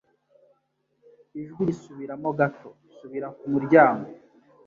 Ijwi risubiramo gato. Subira ku muryango